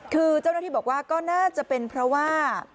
คือเจ้าหน้าที่บอกว่าก็น่าจะเป็นเพราะว่า